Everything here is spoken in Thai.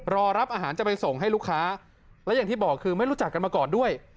รอรับอาหารจะไปส่งให้ลูกค้าและอย่างที่บอกคือไม่รู้จักกันมาก่อนด้วย